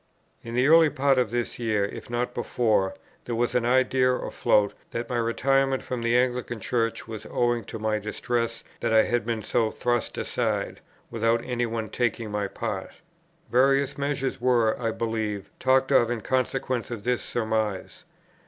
In the early part of this year, if not before, there was an idea afloat that my retirement from the Anglican Church was owing to my distress that I had been so thrust aside, without any one's taking my part. Various measures were, I believe, talked of in consequence of this surmise.